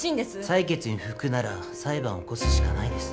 裁決に不服なら裁判を起こすしかないです。